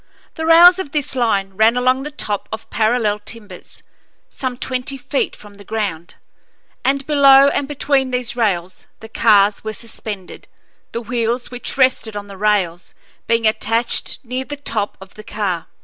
The rails of this line ran along the top of parallel timbers, some twenty feet from the ground, and below and between these rails the cars were suspended, the wheels which rested on the rails being attached near the top of the car.